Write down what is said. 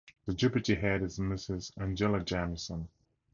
The Depute Head is Mrs Angela Jamieson.